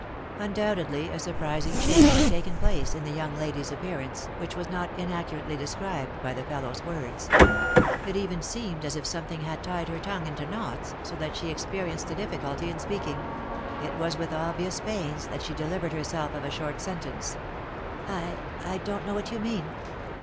Undoubtedly a surprising change had taken place in the young lady's appearance, which was not in accurately described by the fellow's words. It even seemed as if something had tied her tongue into knots, so that she experienced a difficulty in speaking ; it was with obvious pains that she delivered herself of a short sentence. "I — I don't know what you mean."